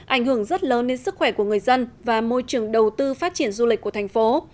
ảnh hưởng rất lớn đến sức khỏe của người dân và môi trường đầu tư phát triển du lịch của thành phố